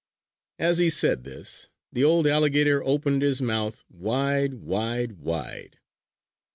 As he said this the old alligator opened his mouth wide, wide, wide.